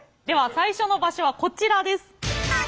では最初の場所はこちらです。